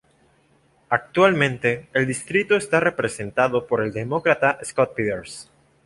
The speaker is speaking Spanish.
Actualmente el distrito está representado por el Demócrata Scott Peters.